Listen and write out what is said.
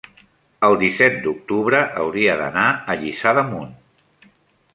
el disset d'octubre hauria d'anar a Lliçà d'Amunt.